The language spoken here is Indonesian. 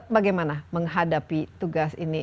bagaimana menghadapi tugas ini